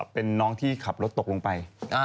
เป็นน้องที่ขับรถตกลงไป